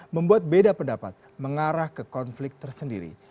membuat beda pendapat mengarah ke konflik tersendiri